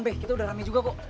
be kita udah ramai juga kok